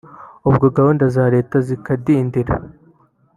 ubwo gahunda za leta zikadindira